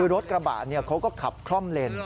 รถกระบะเขาก็ขับคล่อมเลน